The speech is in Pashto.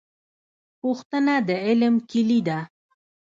پوښتنه د علم کیلي ده